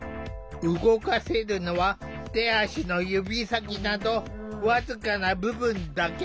動かせるのは手足の指先など僅かな部分だけ。